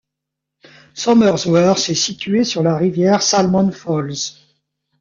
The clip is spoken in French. Somersworth est située sur la rivière Salmon Falls.